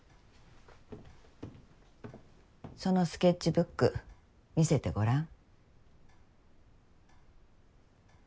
そのスケッチブック見せてごらん。